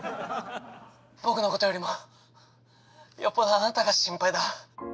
僕のことよりもよっぽどあなたが心配だ。